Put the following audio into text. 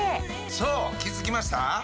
そう気づきました？